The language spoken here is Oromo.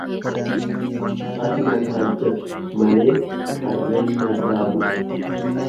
Ati na taajjabi malee qarreen narraa bu'e.